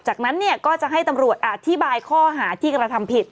จากนั้นเนี่ยก็จะให้ตำรวจอธิบายข้อหาที่กระทำผิด